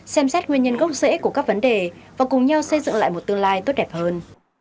xem xét nguyên nhân gốc rễ của các vấn đề và cùng nhau xây dựng lại một tương lai tốt đẹp hơn